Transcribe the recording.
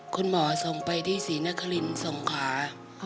คุณหมอส่งไปที่ศรีนครินสงขา